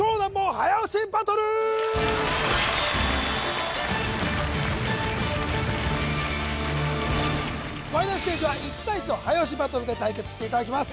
早押しバトルファイナルステージは１対１の早押しバトルで対決していただきます